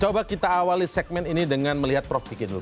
coba kita awali segmen ini dengan melihat prof kiki dulu